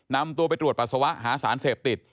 นำตัวไปตรวจปัสสาวะหาสารเสพติด